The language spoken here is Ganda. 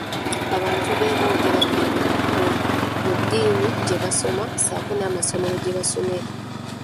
Abantu be boogera nabo, mu ddiini gye basoma, ssaako n'amasomero gye basomera.